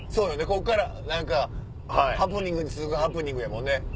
こっから何かハプニングに次ぐハプニングやもんね。